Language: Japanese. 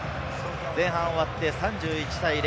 前半が終わって、３１対０。